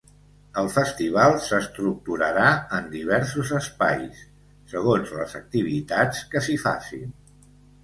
El festival s’estructurarà en diversos espais, segons les activitats que s’hi facin.